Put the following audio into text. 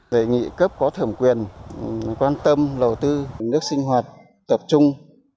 đề nghị cấp có thẩm quyền quan tâm đầu tư nước sinh hoạt tập trung